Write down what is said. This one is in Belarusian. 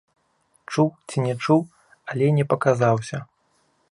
Чуў ці не чуў, але не паказаўся.